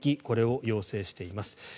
これを要請しています。